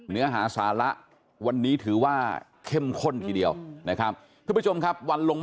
เนื้อหาศาละวันนี้ถือว่าเข้มข้นทีเดียวนะครับ